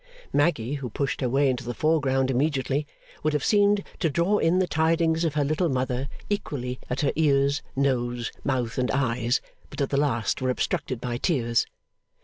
Maggy, who pushed her way into the foreground immediately, would have seemed to draw in the tidings of her Little Mother equally at her ears, nose, mouth, and eyes, but that the last were obstructed by tears.